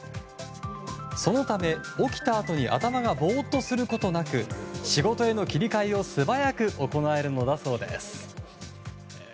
そのため、起きたあとに頭がボーッとすることなく仕事への切り替えを素早く行えるのだそうです。